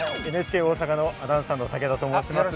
ＮＨＫ大阪のアナウンサーの武田と申します。